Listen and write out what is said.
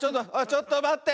ちょっとまって。